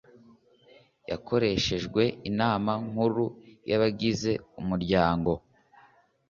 yakoreshejwe Inama Nkuru yabagize umuryango